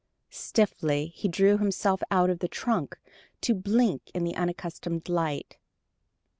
Stiffly he drew himself out of the trunk, to blink in the unaccustomed light.